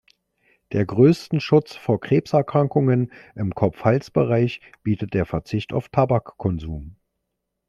Der größten Schutz vor Krebserkrankungen im Kopf-Hals-Bereich bietet der Verzicht auf Tabakkonsum.